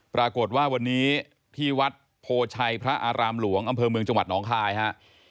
ปรากฏว่าวันนี้ที่วัดโพชัยพระอารามหลวงอำเภอเมืองจังหวัดหนองคายฮะ